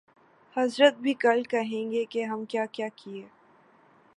حضرت بھی کل کہیں گے کہ ہم کیا کیا کیے